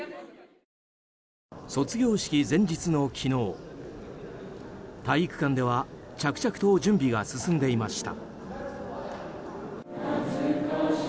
卒業式前日の昨日体育館では着々と準備が進んでいました。